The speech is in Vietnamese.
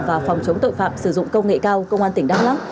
và phòng chống tội phạm sử dụng công nghệ cao công an tỉnh đắk lắc